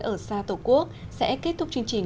ở xa tổ quốc sẽ kết thúc chương trình